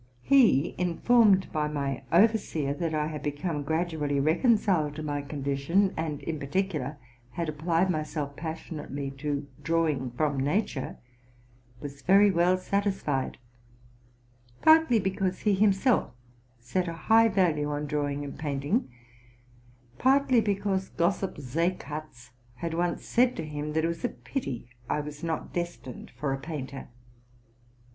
He, informed by my overseer that I had become gradually reconciled to my condition, and, in particular, had applied myself pas sionately to drawing from nature, was very well satisfied, — partly because he himself set a high value on drawing and painting, partly because gossip Seekatz had once said to him, that it was a pity I was not destined for a painter.